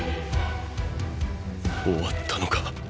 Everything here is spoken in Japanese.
終わったのか？